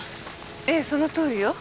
ええそのとおりよ。